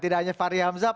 tidak hanya fahri hamzah